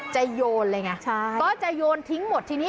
โยนเลยไงก็จะโยนทิ้งหมดทีนี้